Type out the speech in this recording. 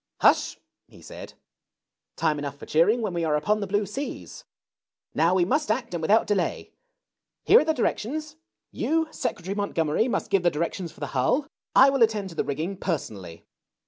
" Hush !" he said : "time enough for cheering when we are upon the blue seas. Now we must act, and without delay. Here are the directions. You, Secretary Montgomery, must give the directions for the hull. I will attend to the rigging personally.